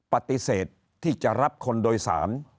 ปฏิเสธที่จะรับคนโดยสาร